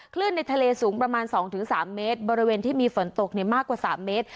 คลื่นในทะเลสูงประมาณสองถึงสามเมตรบริเวณที่มีฝนตกในมากกว่าสามเมตร